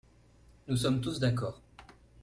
Nous sommes tous d’accord.